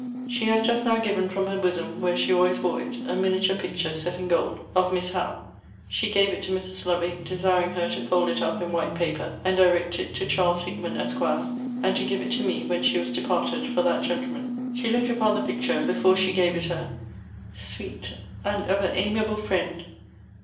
She has just now given from her bosom, where she always wore it, a miniature picture, set in gold, of Miss Howe. She gave it to Mrs. Lovick, desiring her to fold it up in white paper, and direct it, To Charles Hickman, Esq. and to give it to me, when she was departed, for that gentleman. She looked upon the picture, before she gave it her Sweet and ever amiable friend!